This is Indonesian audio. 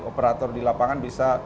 operator di lapangan bisa